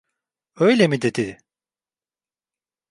Öyle mi dedi?